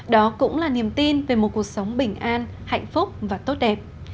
đó cũng là niềm tin về một cuộc sống bình an hạnh phúc và tốt đẹp